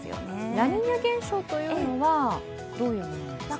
ラニーニャ現象というのはどういうものなんですか？